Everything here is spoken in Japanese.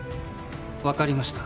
分かりました。